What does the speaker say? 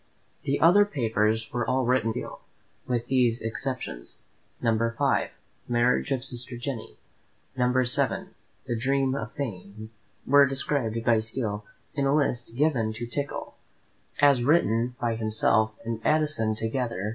The other papers were all written by Steele, with these exceptions: No. V., "Marriage of Sister Jenny," and No. VII., "The Dream of Fame," were described by Steele, in a list given to Tickell, as written by himself and Addison together.